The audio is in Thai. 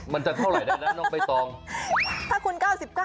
มันจะเท่าไหร่ได้นะน้องใบตอง๙๙